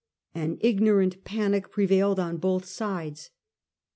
An ignorant panic pre vailed on both sides.